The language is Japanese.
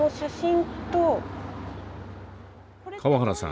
川原さん